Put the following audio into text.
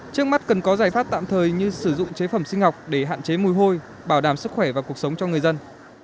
trước mắt cần có giải pháp tạm thời như sử dụng chế phẩm sinh học để hạn chế mùi hôi bảo đảm sức khỏe và cuộc sống cho người dân